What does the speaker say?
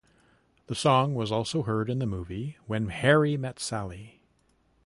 The song was also heard in the movie "When Harry Met Sally".